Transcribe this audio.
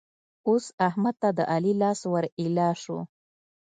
اوس احمد ته د علي لاس ور ايله شو.